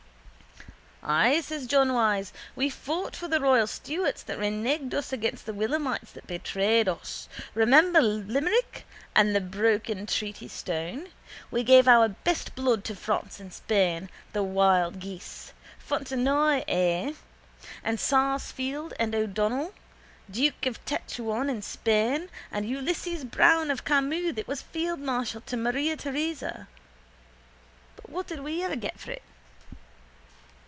—Ay, says John Wyse. We fought for the royal Stuarts that reneged us against the Williamites and they betrayed us. Remember Limerick and the broken treatystone. We gave our best blood to France and Spain, the wild geese. Fontenoy, eh? And Sarsfield and O'Donnell, duke of Tetuan in Spain, and Ulysses Browne of Camus that was fieldmarshal to Maria Teresa. But what did we ever get for it?